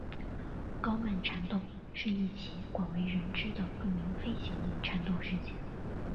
高曼缠斗是一起广为人知的不明飞行物缠斗事件。